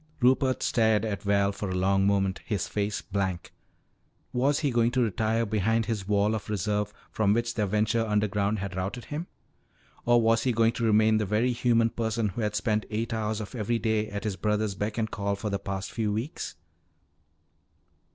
Rupert stared at Val for a long moment, his face blank. Was he going to retire behind his wall of reserve from which their venture underground had routed him? Or was he going to remain the very human person who had spent eight hours of every day at his brother's beck and call for the past few weeks?